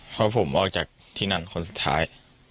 เพราะผมออกจากที่นั่นคนสุดท้าย